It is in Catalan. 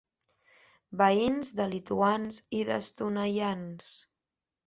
Veïns de lituans i d'estonaians.